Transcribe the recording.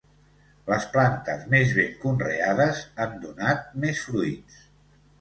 Les plantes més ben conreades han donat més fruits.